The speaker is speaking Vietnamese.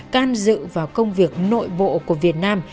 can dự vào công việc nội bộ của việt nam